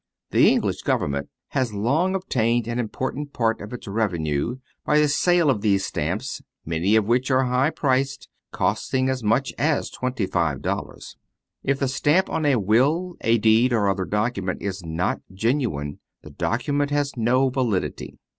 The English government has long obtained an important part of its revenue by the sale of these stamps, many of which are high priced, costing as much as twenty five dollars. If the stamp on a will, a deed, or other document is not genuine, the document has no validity.